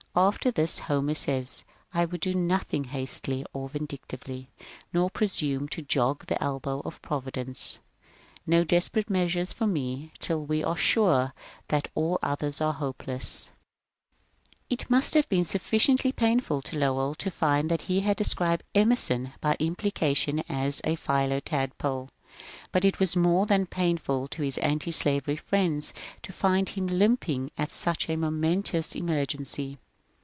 After this Homer says, ^^ I would do nothing hastily or vindictively, nor presume to jog the elbow of Provi dence. No desperate measures for me till we are sure that all others are hopeless, — flectere si nequeo SuperoSy Acheronta movehoy It must have been sufficiently painful to Lowell to find that he had described Emerson by implication as a philotad pole, but it was more than painful to his antislavery friends to find him limping at such a momentous emergency.